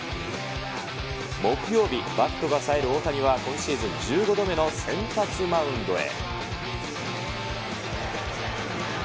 木曜日、バットがさえる大谷は今シーズン１５度目の先発マウンドへ。